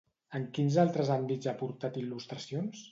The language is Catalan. En quins altres àmbits ha aportat il·lustracions?